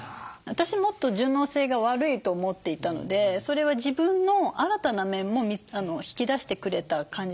私もっと順応性が悪いと思っていたのでそれは自分の新たな面も引き出してくれた感じがします。